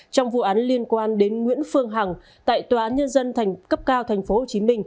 trong vụ án liên quan đến nguyễn phương hằng tại tòa án nhân dân cấp cao tp hcm